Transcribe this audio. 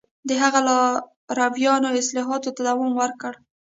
د هغه لارویانو اصلاحاتو ته دوام ورکړ